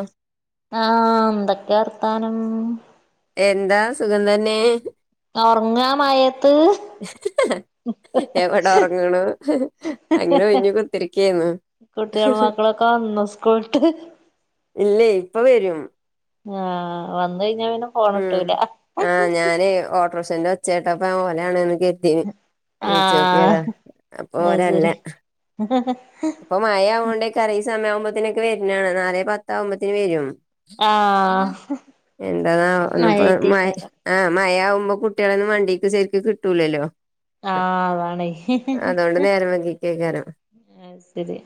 അഹ് ആഹ് എന്തൊക്കെ വർത്താനം? എന്താ സുഖം തന്നെ. ഒറങ്ങാ മഴത്ത്? എവിടെ ഒറങ്ങണ അങ്ങനെ ഓയൂഞ് കുത്തിരിക്കായിന്നു കുട്ട്യാലും മക്കളൊക്കെ വന്നൊ സ്കൂൾട്ട്? ഇല്ലേ ഇപ്പൊ വരും ആഹ് വന്ന കഴിഞ്ഞാ പിന്നെ ഫോണ് ഉം കിട്ടൂല ആഹ് ഞാന് ഓട്ടോറിക്ഷേന്റെ ഒച്ചേട്ടപ്പ ഒലാണെന്ന് കേരുതി ആഹ് നീച്ചോക്കിയതാ അപ്പൊ ഓരല്ല ഹാ ഹാ പ്പ മഴ ആവുകോണ്ടേക്കെറ സമം ആവുമ്പോത്തനൊക്കെ വരുന്നതാണ് നാലെ പത്താവുമ്പത്തത്തിന് വരും ആഹ് എന്താ ന്നാവോ ഇന്ന് പോ മഴെ മഴയായിട്ടേക്കാരം ആഹ് മഴയാവുമ്പോ കുട്ട്യാളെന്നും വണ്ടിക്ക് ശരിക്കും കിട്ടൂലല്ലോ ആഹ് അതാണേ അതൊണ്ട് നേര വൈകി കേക്കാരം അഹ് ശരി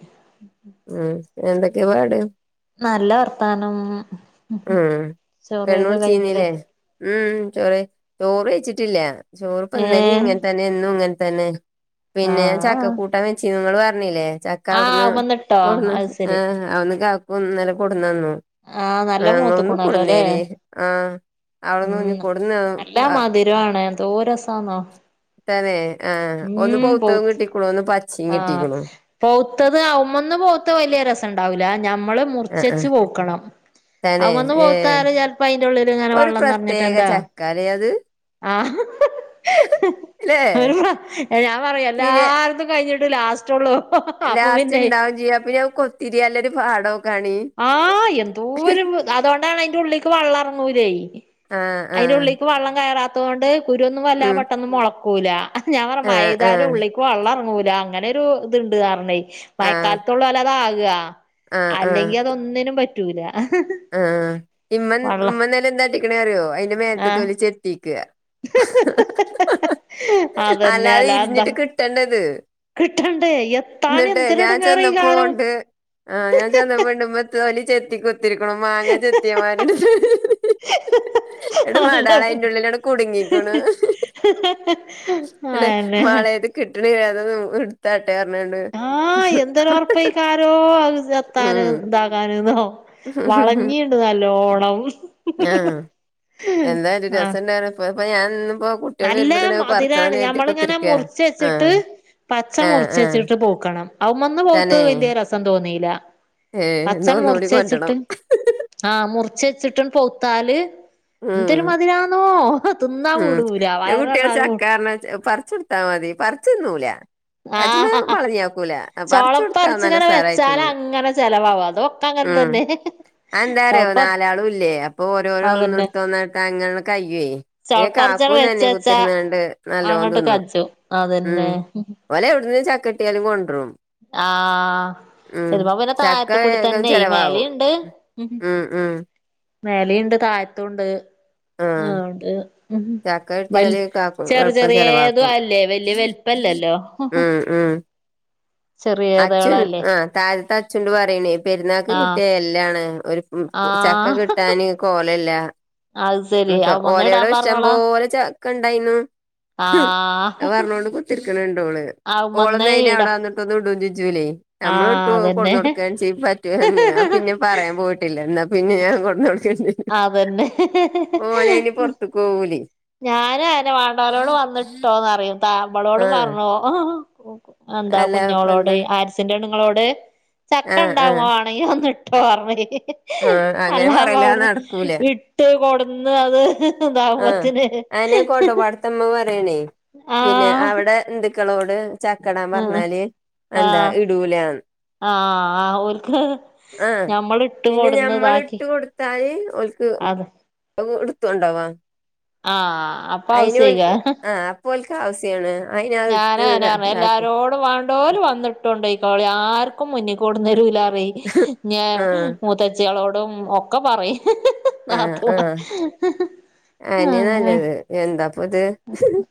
ആഹ് എന്തൊക്കെയ പാട്? നല്ല വർത്താനം ഉം ചോറൈ ക്കെ കഴിഞ്ഞില്ലേ? പെണ്ണുളിച്ചീന്നില്ലേ ഉം ചോറ് ചോറ് വെയിച്ചിട്ടില്ല ചോറ് പ ഇന്നലി ഏഹ് ങ്ങനെ തന്നെ ഇന്നും ഇങ്ങനെ തന്നെ പിന്നെ ഞാ ആഹ് ചക്കക്കൂട്ടാൻ വെച്ചി നിങ്ങ ല്ലേ ചക്ക ആഹ് അവിടുന്ന് വന്നിട്ടോ കൊടന്ന് അത് ശരി ആഹ് അവന്ന് കക്കും ഇന്നലെ കൊടന്നന്നു. നല്ല ആഹ് അങ്ങ ഒന്നും മൂത്ത്ക്ക്ണല്ലോ ല്ലേ കൊടുന്നേരി ആഹ് അവിടുന്ന് കുഞ്ഞ് ഉം കൊടുന്ന് നല്ലാ ആ, മധുരണ് എന്തോ രസാന്നോ തന്നെ ആഹ് ഒന്ന് ഉം പൗത്തതും കിട്ടിക്കണു ഒന്ന് പച്ചയും കിട്ടിക്കണു പോത്തത് അമ്മന്ന് പോത്ത വല്ല്യ രസണ്ടാവൂല്ല ഞമ്മള് ആഹ് ആഹ് മുറിച്ച് പൗ - ങ്ങണം തന്നെ വന്ന് ഏഹ് പൗത്തല് ചെപ്പോ അയിന്റെ ഉള്ളില് ഇങ്ങനെ ഒരു വെള്ളം നിറഞ്ഞിട്ട് പ്രത്യേക എന്താ ചക്കാലേ ആഹ് ലെ ഏഹ് ഞാൻ പറയും എല്ലാർതും കഴിഞ്ഞിട്ട് ലാസ്റ്റള്ളൂ അപ്പൊ പിന്നെ [unintelligible] തിരിയല്ലരു പാടോ കാണി ആഹ് എന്തോര അതുകൊണ്ടാണ് അതിന്റെ ഉള്ളിക്ക് വള്ളറങ്ങൂല്ലേ ആഹ് അയിന്റെ ആഹ് ഉള്ളിക്ക് വെള്ളം കയറാത്തത് കൊണ്ട് കുരു ഒന്നും പെട്ടന്നും മുളക്കൂല ഞാൻ പറയ ആഹ് ആഹ് മയ്താനം ഉള്ളിക്ക വള്ളം ഇറങ്ങൂല അങ്ങനൊരു ഇത്ണ്ട് റഞ്ഞേ ആഹ് മഴക്കാലത്തുള്ളോള് അതാ ക ആഹ് അല്ലെങ്കിൽ അതൊന്നിനും പറ്റൂല ആഹ് ആഹ് ഇമ്മൻ വള്ളം ഇമ്മന്നലെന്താട്ടിക്ക്ണ് റ്യോ അയ്ന്റെ മേൽത്തെ ആഹ് തൊലി ചെത്ത്യെക്ക അതന്നെ അല്ലാതെ അല്ലാതെന്താ ഇര്ഞ്ഞിട്ട് കിട്ടെണ്ടെത്. കിട്ടണ്ടേ എത്താൻ ന്നട്ടേ ഞാൻ എന്തൊരെടങ്ങേറാ ഈ കാലം ചെന്നപ്പോണ്ട് ഏഹ് ഞാൻ ചെന്നപ്പണ്ട് ഇ തോല് ചെത്തി കുത്തിര്ക്കുണു മാങ്ങ ചെത്ത്യെമാരി ണ്ട്. ന്നട്ട് അല്ല മടാളയ്ൻ്റുള്ളിലാണ്ട് കുട്ങ്ങീക്ക്ണ്. ന്നട്ട് അയന്നെ മളെ ഇത് കിട്ട്ണില്ല ഇതൊന്ന് ഇട്ത്താട്ടെ ർഞ്ഞാണ്ട് ആഹ് എന്തൊരർപെയ്ക്കാരോ അത് സെത്താന് ഉം ഇതാകാന് ന്നോ വളഞ്ഞിണ്ട് നല്ലോണം. ആഹ് ആഹ് പ്പൊയപ്പൊ ഞാനി ന്ന് പ്പോ നല്ല മതിരാണ് ഞമ്മളിങ്ങനെ മുറച്ച ച്ചിട്ട് ആഹ് പച്ച ആഹ് മുറിച്ച ആഹ് ച്ചിട്ട് പൗക്കണം ആയിമ്മന്ന തന്നെ പൗത്തത് വല്യ രസം തോന്നില്ല ഏഹ് ഇന്ന് അച്ചണ് ഒന്നുകൂടി കൊണ്ടരണം മുർച്ചെച്ചിട്ട് ആഹ് മുർച്ചെച്ച്ട്ടും പൗത്താല് ഉം എന്തൊരു മധിരാന്നോ തിന്നാ പു ഉം ന്റെ കുട്ട്യാൾ ചക്കാർഞാ പർച്ചൊട്ത്താ മതി പർച്ച്ന്നൂല കജ്മ്മെ ആഹ് വളഞ്ഞിയാകൂല പർച്ചോട്ത്താ നല്ല സാറായി തിന്നും. ചെലവാവതോ ഉം അഎന്താറ്യോ നാലാളുല്ലേ അപ്പൊ ഓരോരോ അതന്നെ ഒന്ന്ട് ത്ത ഒന്ന ക്കങ്ങനണ്ട് കയ്യൊയ് പിന്നെ ചവപ്പറിച്ചാണ് വെച്ച കാക്കൂന്നന്നെ വെച്ചാ കുത്തിര്ന്നാണ്ട് നല്ലോം അങ്ങോട്ട് തിന്നും. കജും ഉം അതന്നെ ഓലെവ്ട്ന്നും ചക്കട്ട്യാലും കൊണ്ട്രെും ആഹ് ഇത്പ്പപിന്നെ ചക്ക തായത്ത്ക്കൂടി വേഗം തന്നെയ് ചെലവാകും മേലിണ്ട് ഉം ഉം മേലിണ്ട് തായത്തുണ്ട്. ആഹ് ഉണ്ട് ഉം ചക്ക വല് കിട്ടിയാല് കാക്കും ചെറ് എളുപ്പം ചെലവാക്കും ചെറ്യേതുഅല്ലേ വല്യ വെൽ പ്പല്ലല്ലോ ഹും ഉം ഉം അച്ഛുൻ ചെറിയതകളല്ലേ ആഹ് തായത്ത്ത്തെ അച്ചുണ്ട് പറിണേ പെര്ന്നാക്ക് ആഹ് കിട്ട്യെ എല്ലാണ് ന്ന് ഒര് ഉം ഉ ചക്ക ആഹ് കിട്ടാന് കോല ല്ല അത് ശരി ന്ന്ക്ക അവ്മന്ന് ഓലേടെ ഇടാൻ ഇഷ്ടം പറഞ്ഞോളാ പോലെ ചക്കണ്ടയ്ന്നു. ആഹ് അത് പർഞ്ഞോണ്ട് കുത്തിര്ക്ക്ണ് ണ്ടോള് അവ്മന്നേ ഓളന്നയ്ന് ഇടാ അവടെ വന്നിട്ടൊന്ന് ടു ലെയ് ആഹ് നമ്മള്ട്ടു അതന്നെ കൊട്ന്നൊട്ക്കാ ചെ പറ്റുന്ന് ഞാം പിന്നെ പറ്യാൻ പോയിട്ടില്ല എന്നാ പിന്നെ ഞാൻ കൊട്‌ന്നൊട്ക്കേണ്ടി അതെന്നെ പോവുലെയ് ഞാനു അയെന്നെ വാണ്ടോലോട് വന്ന്ട്ടോന്നറിം താ മ്പളോടും ആഹ് പർഞ്ഞു. [unintelligible] എന്താ അല്ല അപ്പ എന്താ കുഞ്ഞോളോടെയ് ആര്സിന്റെണ്ങ്ങളോട് ആഹ് ചക്കണ്ടാവും [unintelligible] ആഹ് മാണങ്കി വന്ന്ട്ടോർഞ്ഞ്. ആഹ് അങ്ങനെ പറയല് അത് അല്ലാപ്പവ്ട്ന്ന് നടക്കൂല ഇ ട്ട് കൊട്ന്ന് അത് ഇതാകു ആനെ കോട്ടപ്പാട് ത്തെമ്മ പറ്യാണേ പിന്നെ ആഹ് അവടെ ഇന്ത്ക്കളോട് ചക്കടാം ആഹ് പർഞ്ഞാല് എന്താ ആഹ് ഇടൂലാ ആഹ് ഓൽക്ക് ഞമ്മളിട്ട് കൊട്ന്ന്താക്കി ട്ടാല് ഓൽക്ക് കു ഇട്‌ത്തൊണ്ടോവാ ആഹ് അപ്പൊ അയ്നോൽക്ക് ഔസെയ്ക ആഹ് അ പ്പോൽക്കാവസ്യാണ് അയ് ഞാ ഇട്ട് താ ഇതാക്ക് ക്ക വാണ്ടോല് വന്ന്ട്ടൊണ്ടൊയ്കോളി ആർക്കും മുന്നിക്കൊട്ന്നെരൂലാ റ്യെ ഞാ ആഹ് മൂത്തച്ച്യളോടും ഒക്കെ പറിം ആഹ് നാത്തൂമാ ആഹ് അയന്നെ ആങ്ങനെ നല്ലത് എന്താപ്പത്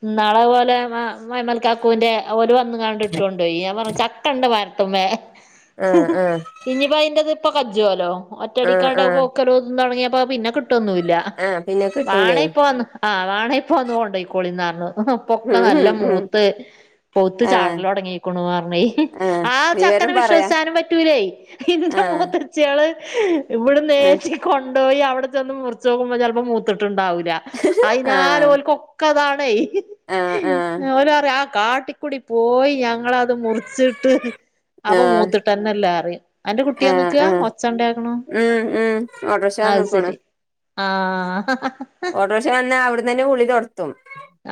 ഇന്നാളത് പോലെ മാ മയ്മൽക്കാക്കുന്റെ ഓല് വന്ന് ങ്ങാണ്ട് ട്ടൊണ്ടോയി ഞാം പർഞ്ഞ് ചക്കണ്ട് മര്ത്ത്മ്മെ ആഹ് ആഹ് ഇഞ്പ്പൊ അയ്ൻ്റെത് പ്പൊ കജോല്ലോ ആഹ് ആഹ് ഒറ്റടിക്കാണ്ടത് പൗക്കലുംതും തൊട്ങ്ങ്യപ്പത് പിന്നെ കിട്ടൊന്നുല്ല. ആഹ് പിന്നെ കിട്ടൂലേ വാണേയ് പോന്ന് ആ വാണേയ് ഇപ്പ വന്ന് കൊണ്ടൊയ്ക്കോളിന്നാണ് പൊക്ക ഉം ഉം നല്ല ഉം മൂത്ത് പൊത്ത് ആഹ് ചാടലൊടങ്ങീക്കുണു പറണേയ് ആഹ് ആ ചക്കന വിവരം പറയാ വിശ്വസിച്ചാനും പറ്റൂലേ ഇതിന്റെ ആഹ് മുഹത്ത് ച്ചേള് ഇവിടെ ആഹ് നേരിച്ചിക്ക് കൊണ്ടോയി അവിടെ ചെന്ന് മുറിച്ചു നോക്കുമ്പോ ചിലപ്പോ മൂത്തിട്ടുണ്ടാവൂല അയിനാല് ആഹ് ഓൽക്കുക്ക അതാണേ ആഹ് ആഹ് ഓല് പറയാ കാട്ടിക്കുടി പോയി ഞങ്ങളത് മുറിച്ചിട്ട് അവ ആഹ് മൂത്തിട്ടന്നല്ല പറീം അന്റെ കുട്ടി ആഹ് വന്ന്ക്കാ ആഹ് ഒച്ച ഉണ്ടേക്കണു ഉം ഉം ഉം ഓട്ടർഷാ വന്ന്ക്ക്ണ് ആ ട്രേഷതന്ന അവിടന്ന് തന്ന ഗുളിക ഒർത്തും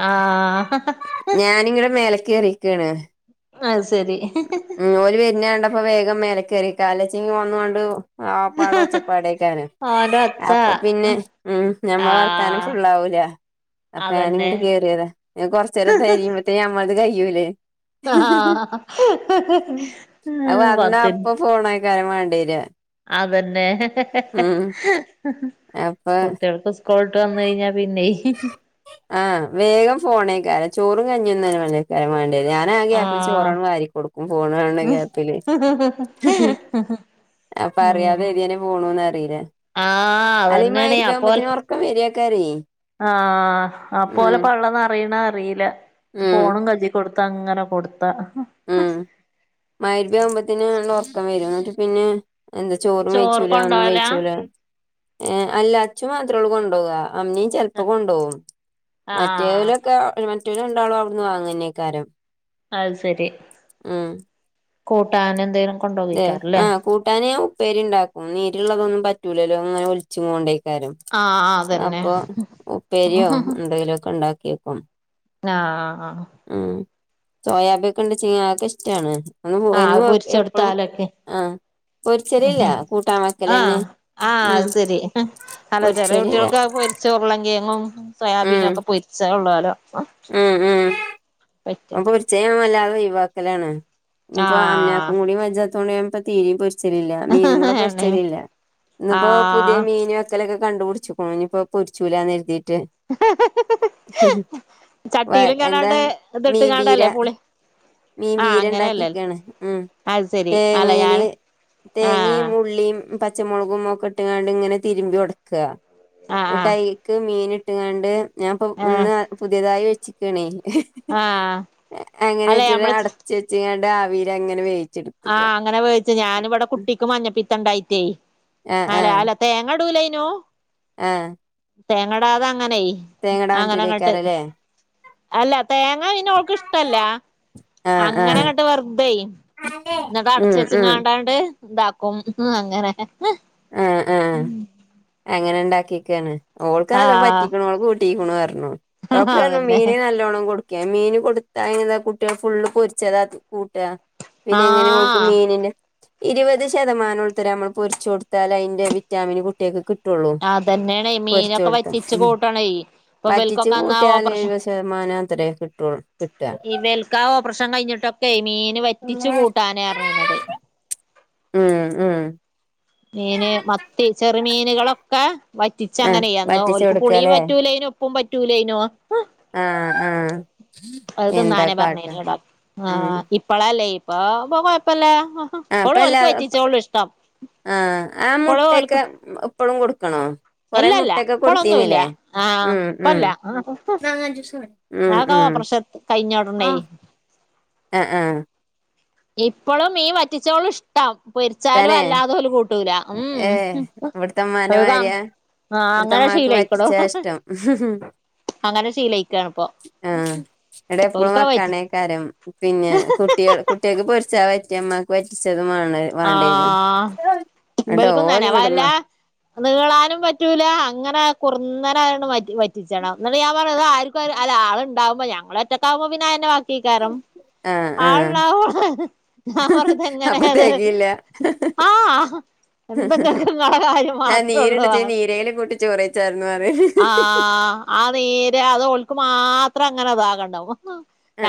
ആഹ് ഞാനിങ്ങനെ മേലെക്ക് കേറിയേക്കണ് അത് ശരി ഉം ഓല് വെരുന്ന കണ്ടപ്പോ വേഗം മേലെക്കേറിക്കാ അല്ലൊച്ചിങ്ങ് ഒന്നു കൊണ്ട് ആപ്പാടോച്ചപ്പാടേക്കാന്. ഓന്റെ ഒച്ച അപ്പൊ പിന്നെ ഉം ഞമ്മള വർത്താനം ആഹ് ഫുള്ളാവൂല. അപ്പ ഞാന അതന്നെ ഇങ്ങോട്ട് കേയറിയതാ കൊറച്ച നേരം തരിയുമ്പോഴത്തേ നഞമ്മളത് കഴ്യൂലേ. ആഹ. ഉ അ വന്നാ അപ്പൊ ഫോണ ആായിക്കാരൻ വേണ്ടിരാ. അതന്നെ അപ്പൊ കുട്ടികൾക്ക്. സ്‌കൂൾട്ട് വന്ന കഴിഞ്ഞാ പിന്നെ. ആഹ് വേഗം ഫോണേക്കാര ചോറും കഞ്ഞൊന്ന തന്ന മലക്കാരൻ വേണ്ട. ാ ഗ്യാപ്പിൽ ആഹ് ചോറോണം വാരി കൊടുക്കും ഫോണണ ഗ്യാപ്പില്. അപ്പ അറിയാതെ ഉം എഴുനെ പോണൂന്ന്റിയില്ല ആഹ് അല്ലെങ്ക അതന്നെയാണെ മരി ആകുമ്പ. ഒ വരയാക്കര. ആഹ അപ്പോലെ പള്ളനറിയണ അറിയില്ല ഉം ഫോണും കച. കൊടുത്ത അങ്ങനെ കൊടുത്താ. ഉം മയരി ബ് ആവുമ്പോത്തന് ഉറക്കം വരും എന്നിട്ട് പിന്നെ. എന്താ ചോറും ചോറ് വേിച്ചൂല ഒന്നും കൊണ്ടോവലാ വേയിിച്ചൂല. ഏ അല്ല അച്ഛു മാത്രാഉള്ളൂ കൊണ്ടുപോകുക അമ്മനി. ചെിലപ്പോ കൊണ്ടുകും ആഹ് മറ്റേവലൊക്കെ മറ്റേവല ഉണ്ടാവളും അവിടുന്ന് വാങ്ങുന്നേക്കാരം. അത് ശരി. ആം. കൂട്ടാൻ എന്തിയേ. അതെ ആഹ കൂട്ടാനാന് ഉപ്പേരി ഉണ്ടാക്കും നീരിള്ളതൊന്നും പറ്റൂലല്ലോ അങ്ങനെ ഒലിച്ച കൊണ്ടേ. ആഹ് ആഹ് അതന്നെ അപ്പൊ ഉപ്പേരിയോ എന്തെങ്കിലുമ ഒക്കെ ഉണ്ടാക്കിയേക്കും. ആഹ. ഉ സോയാബിയക്ക ഉണ്ട്ച്ചക്കെ ഇഷ്ടാണ് ഒ പോ. പം ആ. ഉ ആഹ ആഹ ഉം അത് ശരി അല്ല ചെറിയ പൊരിച്ചലില്ല കുട്ടികൾക്ക് പോ. ചോർളങ്കിയങ്ങും സോയാബീനും ഉം ഒക്കെ പൊരിച്ച ഉള്ളലോ. ഉം ഉം അ പൊർ. ച്ചയ ഞാവല്ലാതെ ഒയവാക്കലാണ്. ഇപ്പൊ അമ്‌നാക്കും ആഹ് കൂടി മജാത്തോ തീ പ. ല്ല മീനും കൂടെ എണ്ണയും പൊര്ച്ചരില്ല ഇന്നിപ്പോൊ പുതിയ ആഹ് മീന. അക്കൊക്കെ കണ്ടുപടച്ച്ോ ഇനി ഇപ്പോ പൊരിച്ചൂലാന്ന് എഴതിയിട്ട്. വ ചട്ടിയിലും എന്താ കാനാണ്ട് ഇത് ഇട്ട് മീൻപീര ഞാണ്ടല്ലേ പളി ആഹ മീൻപീര അങ്ങനെല്ലേ ഉണ്ടാക്കിക്കാണ് ഉം അത് ശെരി അല്ല തേങ്ങയില് ഞാാന് തേങ്ങയും ഉള്ളിയും. പച്ചമുളക ഒക്കെ ഇട്ട്ാണ്ട് ഇങ്ങനെ തിരുമ്പി ഒട്ക്ക ആഹ് ആഹ് എന്നട്ടൈക്ക് മീൻ ഇട്ടാണ്ട്. ഞാൻപ്പൊ ആഹ് ഇന്ന് പുതിയതായി വെച്ചക്കണ ആഹ് അങ്ങനെ അല്ലെ വെച്ചിട്ട. നമ്മള് ചേച്ചിയണ്ട ആവിലങ്ങനെ വേവി ആഹ് അങ്ങനെ വേവിച്ച, ഞാന് ഇവടെ കുട്ടിക്ക് മഞ്ഞപ്പീത്തണ്ടായിട്ടേ. ആഹ് ആഹ് അല്ലലാ തേങ്ങടുലെനു ആഹ് തേങ്ങടാതങ്ങനെ തേങ്ങടാൻ അങ്ങനെ ഇങ്ങട്ട് പറ്റൂലേക്കാരല്ലേ അല്ല തേങ്ങ പിന്നെ ഓ ൾക്ക് ഇഷ്ല്ല. ആഹ് ആഹ് അങ്ങനെങ്ങട്ട് വെർതെ ഉം ഇന്നട്ടടച്ചച്ച് ഉം കാണ്ടാണ്ട് ഇതാക്കും അങ്ങനെ ആഹ് ആഹ് അങ്ങനെ ഇണ്ടാക്കിയെക്കാണ്. ഓൾക്ക് നല്ലോ ആഹ് പറ്റിക്ക്ണ് ഓള് കൂ ട്ടിക്ക്ണുറഞ്ഞു. ഡോക്ടർ അതന്നെ മീന് നല്ല ലോണം കൊടുക്കെ മീന് കൊടുത്താ അയിനെന്താ കുട്ടിയേള് ഫുള്ള് പൊരിച്ചതാ തി കൂട്ടാ പിന്നെ എങ്ങനെഓൾക്ക് ആഹ് മീനിന്, ഇരുപത് ശതമാനം ഉൾത്തരെ നമ്മള് പൊരിച്ചൊട് ത്താല് അയിന്റെ വിറ്റാമിന് കുട്ടിയേൾക്ക് കിട്ടൊ അതന്നെണെ മീനൊക്കെ വറ്റിച്ചു ഉം കൂട്ടണെ, ഇപ്പൊ ഇബൽക്കൊക്കെ അന്നാ ഓപ്പറേഷൻ ഇത്തറേ കിട്ടൊൾ കിട്ടാ ഇബൽക്കാ ഓപ്പറേഷൻ കഴിഞ്ഞിട്ടൊക്കെ മീന് വറ്റിച്ചു കൂട്ടാനറിഞ്ഞീനത്. ഹ്മ്മ് ഹ്മ്മ് മീന് മത്തി ചെറു മീനുകളൊക്കെ വറ്റിച്ച ആഹ് അങ്ങനെ അന്ന് വറ്റിച്ച് ഓൽക്ക് പുളീം കൊടുക്കല്ലേ പറ്റൂലെന്നു ഉപ്പും പറ്റൂലെന്നൂ ആഹ് ആഹ് അത് എന്താ തിന്നാനാ കാട്ടാ പറഞ്ഞിനെ ഡോ, ഉം ആഹ് ഇ ഇപ്പളല്ലേ ഇപ്പ ഇപ്പം കൊഴപ്പല്ല. ആഹ് ഓൾ ഇപ്പ എല്ലാ ഓൽക്ക് വറ്റിച്ചൊളു ഇഷ്ടം ആഹ് ആ ഇപ്പളും ഓൽക്ക് മുട്ടക്കെ ഇപ്പളും കൊടുക്കണോ? കൊറേ ഇല്ലല്ല മുട്ടക്കെ ഇപ്പളൊന്നുല്ല കൊടുത്തീനില്ലേ ആഹ് ഹ്മ്മ് ഹ്മ്മ് ഇപ്പല്ല മാങ്ങാ ജ്യൂസ്‌ മതി ഹ്മ്മ് അതൊക്കെ ഹ്മ്മ് ഓപ്പറേഷൻ കഴിഞ്ഞ ഉടനെ ആഹ് ആ ആഹ് ഇപ്പളും മീൻ വറ്റിച്ചോളും ഇഷ്ടം, പൊരിച്ചാലും തന്നെ അല്ലാതോല് കു കൂട്ടൂല. ഏഹ് ഹ്മ്മ് ഇവിടുത്തമ്മാന്റെ അത് കാ മാരിയാ ആഹ് അങ്ങനെ ഇവിടുത്തമ്മാക്ക് ശീലയിക്കോളും വറ്റിച്ചാ ഇഷ്ടം അങ്ങനെ ശീലയിക്കാണിപ്പം. ഓൽകത് വറ്റി കാരം പിന്നെ കുട്ട്യേ കുട്ട്യേൾക്ക് പൊരിച്ച പറ്റ ഇമ്മാക്ക് വറ്റിച്ചതും വാണം. ആഹ്, ഇബൽക്കങ്ങനെന്നെ ഓല്ങ്ങട്ട് മ വല്ലാ നീളാനും പറ്റൂല അങ്ങനെ കുറ്ന്നനായാണ്ട് വറ്റ് വറ്റിച്ചണം ഇന്നട്ട് ഞാൻ പറയാ ആർക്കാ അല്ല അത്ണ്ടാവുമ്പോ ഞങ്ങളൊറ്റക്കാവുമ്പോ പിന്നെ അതന്നെ ബാ ക്കിയേക്കാരം. ആഹ് ആഹ് ആൾണ്ടാവുമ്പോ [unintelligible] ഞാൻ വെറുതെ ഇങ്ങനെ ഇത് [unintelligible] എന്താ ഇങ്ങക്ക് ഇങ്ങളെ കാര്യം [inaudible] ആ മാത്രേ ഉള്ളൂ നീര്ണ്ടെച്ചാ പറഞ്ഞ്. നീരേലും കൂട്ടി ചോറെയ്ച്ചായിരുന്നു [inaudible] ആഹ് ആ നീര് അത് ഓൽക് മാത്രം അങ്ങനെ അതാകണ്ടാവു.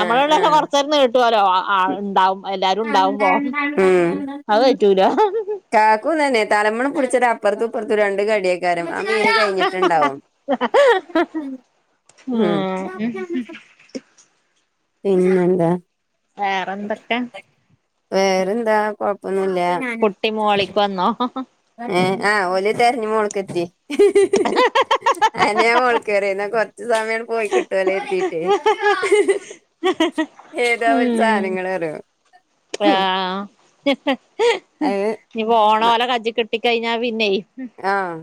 ആഹ് കൊ ആഹ് തീർന്ന് കിട്ടൊലോ ആഹ് ഇണ്ടാവും [inaudible] ഹ്മ്മ് അയ് പറ്റൂല [inaudible] കാക്കൂ ഇതെന്നെ തലമണം പുടിച്ചതപ്പർത്തും ഇപ്പർത്തും രണ്ട് കടിയാക്കി ക്കാരം. ആ മീന് കഴിഞ്ഞ്ട്ട്ണ്ടാവും. ഉം ഹ്മ്മ് പിന്നന്താ വേറെന്തൊക്കെ വേറെന്താ കൊഴപ്പൊന്നുല്ല. കുട്ടി മോളിക്ക് വന്നോ ഹ ഹ ഏഹ ആഹ് ഓല് തെരഞ്ഞ് മോളിക്കെത്തി. [inaudible] അയെന്നെ ഞാൻ മോളിക്ക് കയറിയെ ഇന്നാ കൊർ ച്ച് സമയങ്ങട്ട് പോയി കിട്ടല്ലോ എന്ന് കരതിട്ടേ [inaudible] ഏതാ ഓര് ഉം സാനങ്ങറിയോ ആഹ് അത് ഇനിയിപ്പോ ഫോണ് ഒരേ കജ്ജി കിട്ടി കഴിഞ്ഞാ പിന്നെയ മ് ആഹ്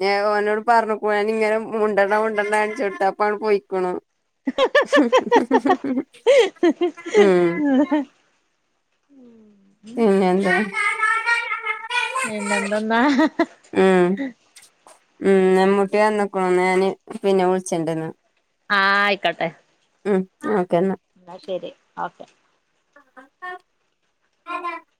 ഞ ഓനോട് പറഞ്ഞുക്കണ് ഞാൻ ഇങ്ങനെ മുണ്ടണ്ണ്ട മുണ്ടണ്ട ന്ജയച്ചു കൊടുത്തു അപ്പ അങ്ങട് പൊയിക്കണ് ഉം [inaudible] [unintelligible] പിന്നെയെന്താ? പിന്നെന്ത്‍ന്ന ഉം [unintelligible] ഉം ഉമ്മുട്ടി വന്നുക്ണ് എന്ന ഞാന് പിന്നെ വിളിച്ചിണ്ടന്ന് ആഹ് ആയിക്കോട്ടെ ഉം ഒക്കെന്നാ ന്നാ ശരി ഓക്കെ [unintelligible]